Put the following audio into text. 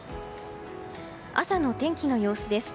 朝の天気の様子です。